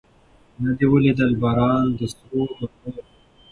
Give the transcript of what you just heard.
نه دي ولیدی باران د سرو مرمیو